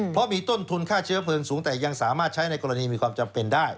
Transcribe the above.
เพราะมีต้นทุนค่าเชื้อเพลิงสูงแต่ยังสามารถใช้ในกรณีมีความจำเป็นได้